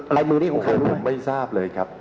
อะไรมือนี้ของใครรู้ไหมไม่ทราบเลยครับ